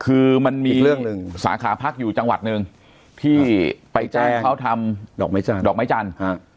คือมันมีสาขาพักอยู่จังหวัดหนึ่งที่ไปจ่ายเขาทำดอกไม้จันทร์